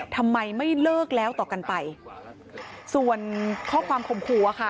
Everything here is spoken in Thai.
ทำไมไม่เลิกแล้วต่อกันไปส่วนข้อความข่มขู่อะค่ะ